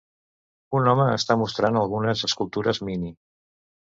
Un home està mostrant algunes escultures mini